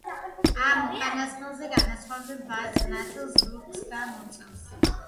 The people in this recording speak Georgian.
ამ უკანასკნელზე განასხვავებენ ბასრ ნაწილს, ზურგს და მუცელს.